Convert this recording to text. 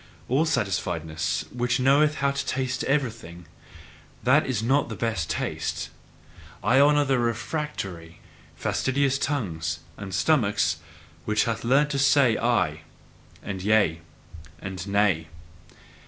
All satisfiedness, which knoweth how to taste everything, that is not the best taste! I honour the refractory, fastidious tongues and stomachs, which have learned to say "I" and "Yea" and "Nay."